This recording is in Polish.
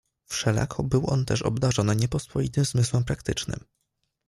"Wszelako był on też obdarzony niepospolitym zmysłem praktycznym."